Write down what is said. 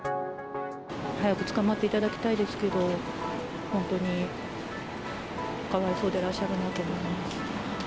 早く捕まっていただきたいですけど、本当にかわいそうでらっしゃるなと思います。